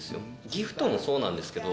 『ＧＩＦＴ』もそうなんですけど。